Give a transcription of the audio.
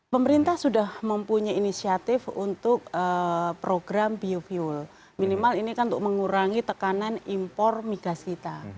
pemerintah sudah mempunyai inisiatif untuk program biofuel minimal ini kan untuk mengurangi tekanan impor migas kita